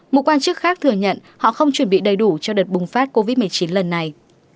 một quan chức khác thừa nhận họ không chuẩn bị đầy đủ cho đợt bùng phát covid một mươi chín lần này